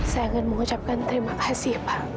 saya akan mengucapkan terima kasih pak